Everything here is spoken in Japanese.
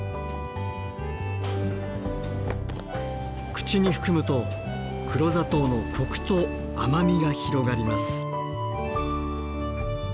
口に含むと黒砂糖のコクと甘みが広がります。